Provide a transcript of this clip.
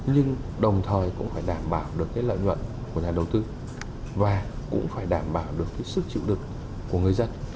nhưng đồng thời cũng phải đảm bảo được cái lợi nhuận của nhà đầu tư và cũng phải đảm bảo được cái sức chịu đựng của người dân